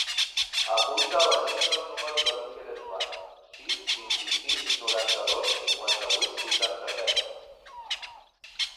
Apunta a l'agenda el número de l'Iker Sbai: sis, vint-i-cinc, noranta-dos, cinquanta-vuit, vuitanta-set.